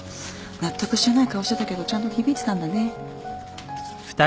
納得してない顔してたけどちゃんと響いてたんだね。